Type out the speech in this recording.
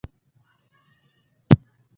امیر حمزه په دې کې شامل و.